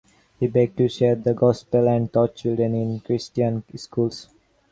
He began to share the Gospel, and taught children in Christian schools.